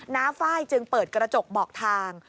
้าไฟล์จึงเปิดกระจกบอกทาง